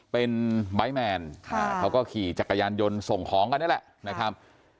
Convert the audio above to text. เป็นไบท์แมนเขาก็ขี่จักรยานยนต์ส่งของกันนี่แหละนะครับ